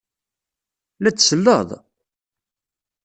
La d-selleḍ?